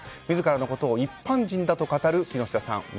自らのことを一般人だと語る木下さん。